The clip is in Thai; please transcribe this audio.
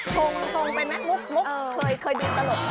ชงไปก็มุกเคยดีตลอดกัรา